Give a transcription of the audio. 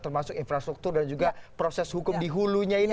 termasuk infrastruktur dan juga proses hukum di hulunya ini